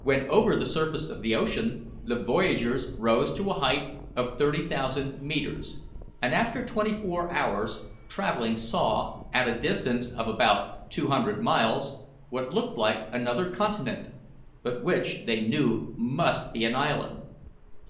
When over the surface of the ocean, the voyagers rose to a height of thirty thousand metres, and after twenty four hours' travelling saw, at a distance of about two hundred miles, what looked like another continent, but which they knew must be an island.